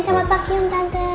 selamat pagi om tante